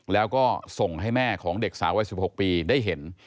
แล้วก็ส่งให้แม่ของเด็กสาววัย๑๖ปีได้เห็น